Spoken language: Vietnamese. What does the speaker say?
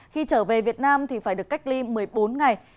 khi trở về việt nam thì phải được cách ly một mươi bốn ngày